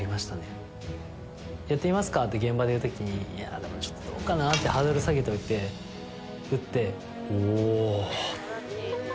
「やってみますか」って現場で言う時に「いやでもちょっとどうかな」ってハードル下げておいて打って。